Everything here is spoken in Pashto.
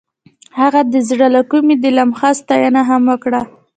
هغې د زړه له کومې د لمحه ستاینه هم وکړه.